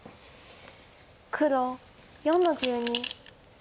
黒４の十二。